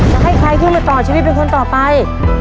จะให้ใครขึ้นมาต่อชีวิตเป็นคนต่อไป